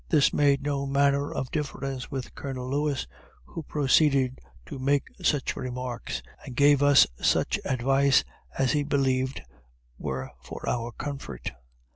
This made no manner of difference with Colonel Lewis, who proceeded to make such remarks, and gave us such advice, as he believed were for our comfort.